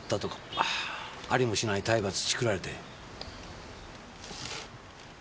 ありもしない体罰チクられて。